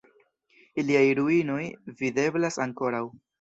Iliaj ruinoj videblas ankoraŭ.